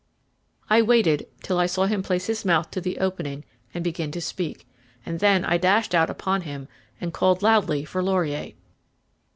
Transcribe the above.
I waited till I saw him place his mouth to the opening and begin to speak, and then I dashed out upon him and called loudly for Laurier.